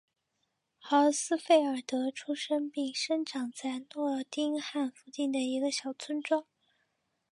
豪斯费尔德出生并生长在诺丁汉附近的一个小村庄。